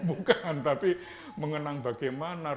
bukan tapi mengenang bagaimana